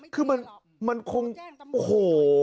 คือมันคงโอ้โห